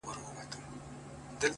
را سهید سوی- ساقي جانان دی-